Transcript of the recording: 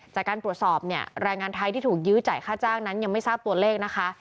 จากการตรวจสอบเนี่ยแรงงานไทยที่ถูกยื้อจ่ายค่าจ้างนั้นยังไม่ทราบตัวเลขนะคะ